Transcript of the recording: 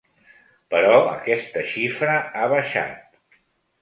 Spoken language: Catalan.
Però aquesta xifra ha baixat.